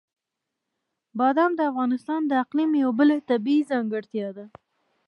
بادام د افغانستان د اقلیم یوه بله طبیعي ځانګړتیا ده.